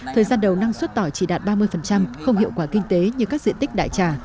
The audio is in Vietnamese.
thời gian đầu năng suất tỏi chỉ đạt ba mươi không hiệu quả kinh tế như các diện tích đại trà